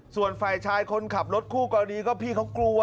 ส่วนฝ่ายชายคนขับรถคู่กรณีก็พี่เขากลัว